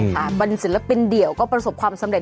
บรรษิลปินเดี่ยวก็ประสบความสำเร็จ